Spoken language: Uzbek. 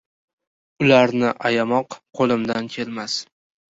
Ularni ayamoq qo‘limdan kelmas